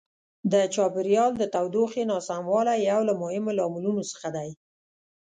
د چاپیریال د تودوخې ناسموالی یو له مهمو لاملونو څخه دی.